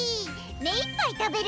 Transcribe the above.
目いっぱい食べる！